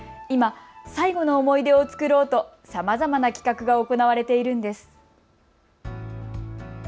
今、最後の思い出を作ろうとさまざまな企画が行われているんです。